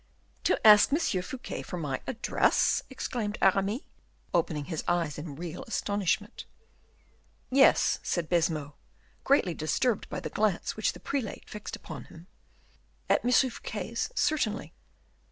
"To ask M. Fouquet for my address?" exclaimed Aramis, opening his eyes in real astonishment. "Yes," said Baisemeaux, greatly disturbed by the glance which the prelate fixed upon him, "at M. Fouquet's certainly."